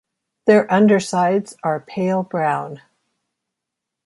Their undersides are pale brown.